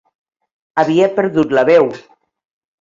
Havia perdut la veu